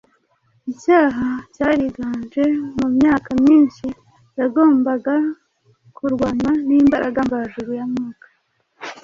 Icyaha cyariganje mu myaka myinshi cyagombaga kurwanywa n’imbaraga mvajuru ya Mwuka